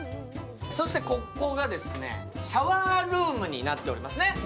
ここがシャワールームになっておりますね。